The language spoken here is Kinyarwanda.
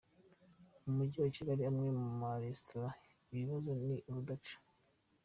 Mu mujyi wa Kigali amwe mu maresitora ibibazo ni urudaca